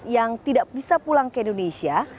yang tidak bisa pulang ke indonesia